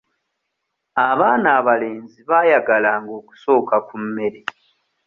Abaana abalenzi baayagalanga okusooka ku mmere.